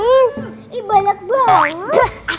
ih banyak banget